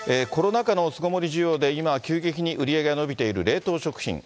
コロナ禍の巣ごもり需要で今、急激に売り上げが伸びている冷凍食品。